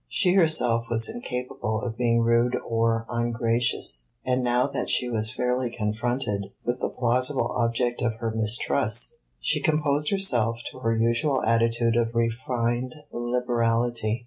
She herself was incapable of being rude or ungracious, and now that she was fairly confronted with the plausible object of her mistrust, she composed herself to her usual attitude of refined liberality.